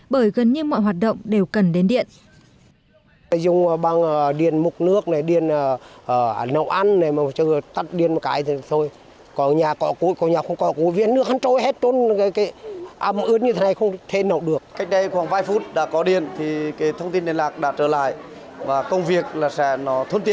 bởi gần như mọi hoạt động đều cần đến điện